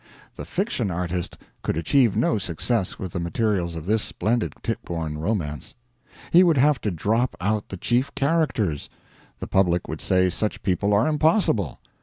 The fiction artist could achieve no success with the materials of this splendid Tichborne romance. He would have to drop out the chief characters; the public would say such people are impossible.